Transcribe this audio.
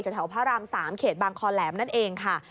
แถวพระราม๓เขตบางคอแหลมนั่นเองค่ะ